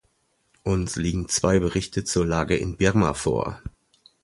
Uns liegen zwei Berichte zur Lage in Birma vor.